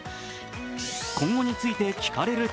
今後について聞かれると